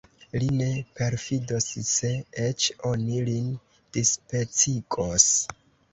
Li ne perfidos, se eĉ oni lin dispecigos!